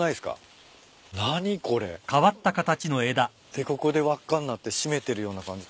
でここで輪っかになって締めてるような感じ。